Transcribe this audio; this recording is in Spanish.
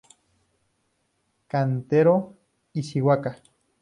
Kentaro Ishikawa